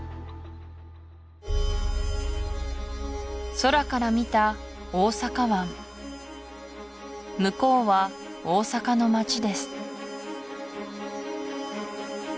空から見た大阪湾向こうは大阪の街です